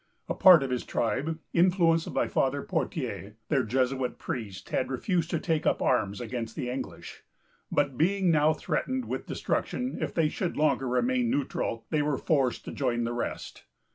A part of this tribe, influenced by Father Pothier, their Jesuit priest, had refused to take up arms against the English; but, being now threatened with destruction if they should longer remain neutral, they were forced to join the rest.